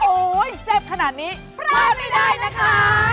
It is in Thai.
โอ๊ยเสพขนาดนี้พลาดไม่ได้นะคะ